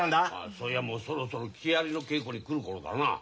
そういやもうそろそろ木遣りの稽古に来る頃だなあ。